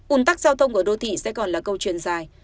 ún tắc giao thông của đô thị sẽ còn là câu chuyện dài